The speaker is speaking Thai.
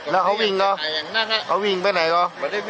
แล้วเขาวิ่งไหนก่อน